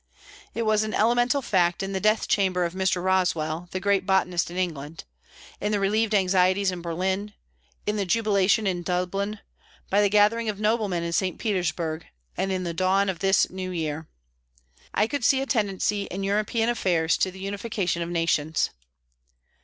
It was an elemental fact in the death chamber of Mr. Roswell, the great botanist, in England; in the relieved anxieties in Berlin; in the jubilation in Dublin; by the gathering of noblemen in St. Petersburg; and in the dawn of this new year. I could see a tendency in European affairs to the unification of nations.